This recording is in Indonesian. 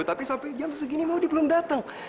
tapi sampai jam segini maudie belum datang